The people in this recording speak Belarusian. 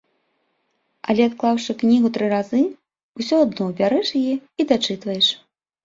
Але адклаўшы кнігу тры разы, усё адно бярэш яе і дачытваеш.